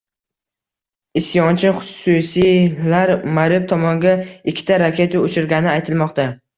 Isyonchi xusiylar Marib tomonga ikkita raketa uchirgani aytilmoqda